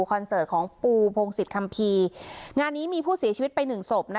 คอนเสิร์ตของปูพงศิษย์คำพีงานนี้มีผู้สีชีวิตไปหนึ่งศพนะคะ